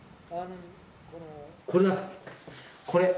これだこれ。